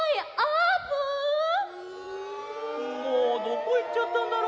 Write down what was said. もうどこいっちゃったんだろ？